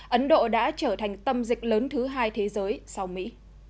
ấn độ đã trở thành tâm dịch lớn thứ hai thế giới sau mỹ